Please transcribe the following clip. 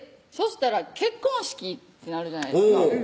したら結婚式ってなるじゃないですか